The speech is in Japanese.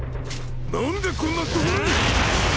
何でこんな所に！